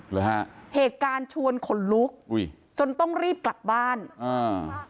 หรือฮะเหตุการณ์ชวนขนลุกอุ้ยจนต้องรีบกลับบ้านอ่า